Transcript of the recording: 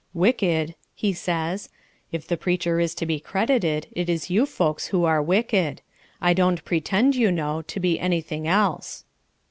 "Wicked," he says. "If the preacher is to be credited, it is you folks who are wicked. I don't pretend, you know, to be anything else."